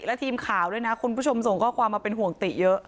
และทีมข่าวด้วยนะคุณผู้ชมส่งข้อความมาเป็นห่วงติเยอะ